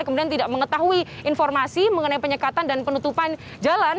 kemudian tidak mengetahui informasi mengenai penyekatan dan penutupan jalan